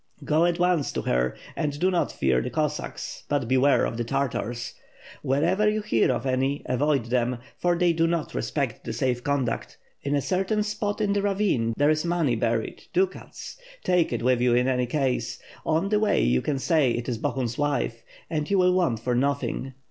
60 at once to her; and do not fear the Cossacks; but beware of the Tartars. Wherever you hear of any, avoid them, for they do not respect the safe conduct. In a certain spot in the ravine, there is money buried, ducats; take it with you in any case. On the way you can say it is Bohun's wife — and you will want for nothing.